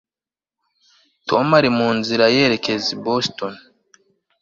tom ari mu nzira yerekeza i boston